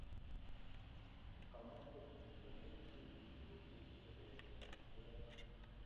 kamache netondonochini tuguk chegiibe koyay giiy agoba ni